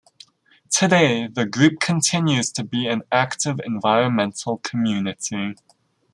Today the group continues to be an active environmental community.